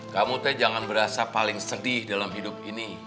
kamu teh jangan berasa paling sedih dalam hidup ini